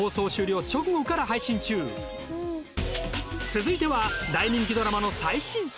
続いては大人気ドラマの最新作。